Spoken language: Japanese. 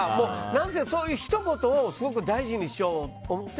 何せ、そういうひと言をすごく大事にしようって。